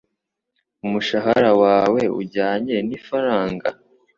Umushahara wawe ujyanye nifaranga?